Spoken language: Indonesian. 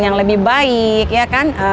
yang lebih baik ya kan